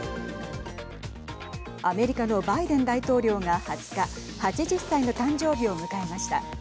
アメリカのバイデン大統領が２０日８０歳の誕生日を迎えました。